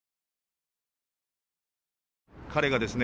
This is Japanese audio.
彼がですね